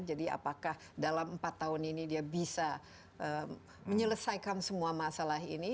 jadi apakah dalam empat tahun ini dia bisa menyelesaikan semua masalah ini